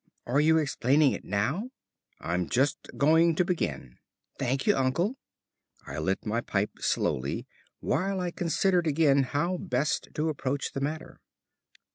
"Are you explaining it now?" "I'm just going to begin." "Thank you, uncle." I lit my pipe slowly, while I considered again how best to approach the matter.